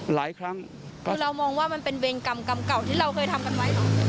หลายครั้งคือเรามองว่ามันเป็นเวรกรรมกรรมเก่าที่เราเคยทำกันไว้เหรอ